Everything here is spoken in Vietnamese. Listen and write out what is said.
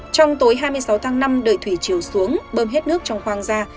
trong tối hai mươi sáu tháng năm đợi thủy chiều xuống bơm hết nước trong khoang ra